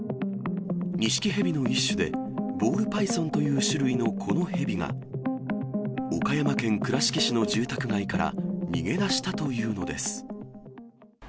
ニシキヘビの一種で、ボールパイソンという種類のこのヘビが、岡山県倉敷市の住宅街から逃げ出したというのです。